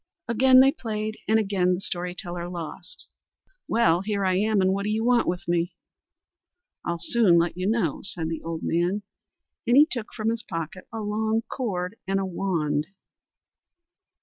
Again they played, and again the story teller lost. "Well! Here I am, and what do you want with me?" "I'll soon let you know," said the old man, and he took from his pocket a long cord and a wand.